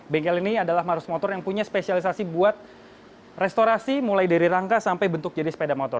bengkel ini adalah marus motor yang punya spesialisasi buat restorasi mulai dari rangka sampai bentuk jadi sepeda motor